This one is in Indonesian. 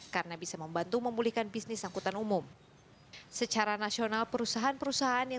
karena bisa membantu memulihkan bisnis angkutan umum secara nasional perusahaan perusahaan yang